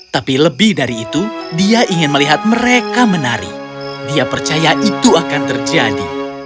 tapi lebih dari itu dia ingin melihat mereka menari dia percaya itu akan terjadi